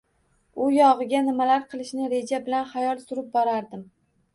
U yogʻiga nimalar qilishni reja bilan xayol surib borardim